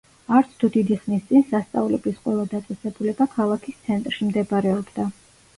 არცთუ დიდი ხნის წინ სასწავლებლის ყველა დაწესებულება ქალაქის ცენტრში მდებარეობდა.